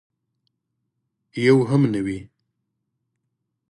یو هم نه وي.